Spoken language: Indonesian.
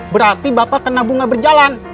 berarti bapak kena bunga berjalan